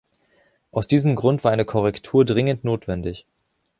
Aus diesem Grund war eine Korrektur dringend notwendig.